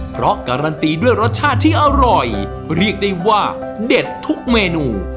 เพราะการันตีด้วยรสชาติที่อร่อยเรียกได้ว่าเด็ดทุกเมนู